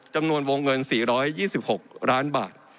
จำนวนวงเงิน๔๒๖ล้านบาท